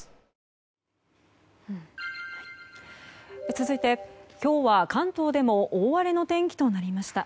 続いて、今日は関東でも大荒れの天気となりました。